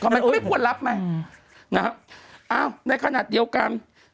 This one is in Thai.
มันก็ไม่ควรรับไหมนะครับอ้าวในขณะเดียวกัน